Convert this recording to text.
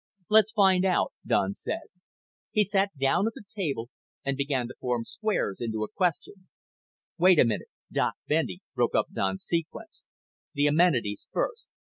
"Let's find out," Don said. He sat down at the table and began to form squares into a question. "Wait a minute." Doc Bendy broke up Don's sequence. "The amenities first.